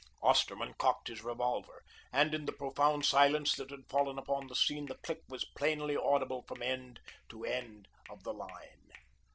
Osterman cocked his revolver, and in the profound silence that had fallen upon the scene, the click was plainly audible from end to end of the line.